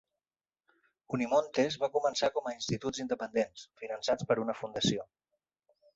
Unimontes va començar com a instituts independents, finançats per una fundació.